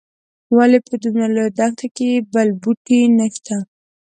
ولې په دومره لویه دښته کې بل بوټی نه شته.